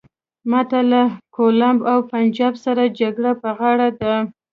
ماته له کولاب او پنجاب سره جګړه په غاړه ده.